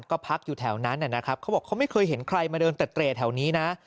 ก็พักอยู่แถวนั้นนะครับเขาบอกเขาไม่เคยเห็นใครมาเดินเต็ดเตร่แถวนี้นะ